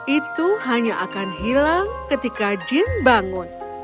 itu hanya akan hilang ketika jin bangun